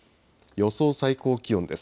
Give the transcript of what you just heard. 予想最高気温です。